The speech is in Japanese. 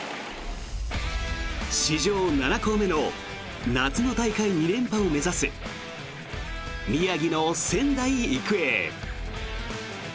史上７校目の夏の大会２連覇を目指す宮城の仙台育英。